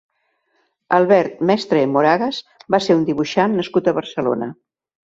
Albert Mestre i Moragas va ser un dibuixant nascut a Barcelona.